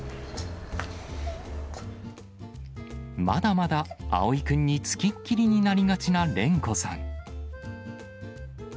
まだまだ碧くんに付きっきりになりがちな練子さん。